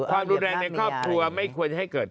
ความรุนแรงในครอบครัวไม่ควรจะให้เกิด